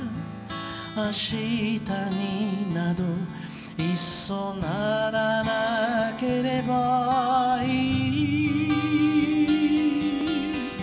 「明日になどいっそならなければいい」